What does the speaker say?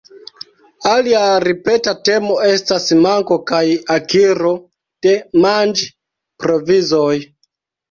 Alia ripeta temo estas manko kaj akiro de manĝ-provizoj.